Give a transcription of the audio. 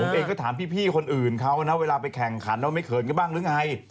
ผมเองก็ถามพี่คนอื่นเขานะเวลาไปแข่งขันเราไม่เขินกันบ้างหรือไง